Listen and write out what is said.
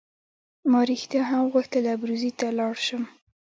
ما رښتیا هم غوښتل ابروزي ته ولاړ شم.